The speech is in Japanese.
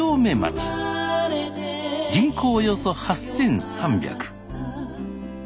人口およそ８，３００。